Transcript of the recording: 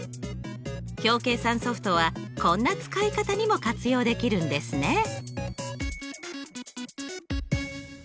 表計算ソフトはこんな使い方にも活用できるんですね。